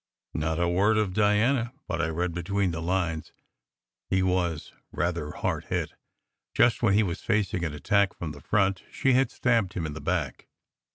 Not a word of Diana. But I read between the lines. He was "rather hard hit." Just when he was facing an attack from the front she had stabbed him in the back.